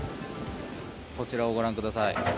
こちらを御覧ください。